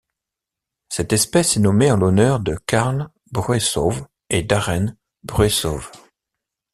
Cette espèce est nommée en l'honneur de Carl Bruessow et Darren Bruessow.